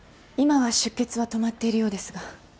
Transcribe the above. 今は出血は止まっているようですが。